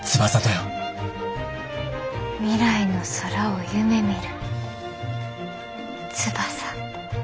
未来の空を夢みる翼。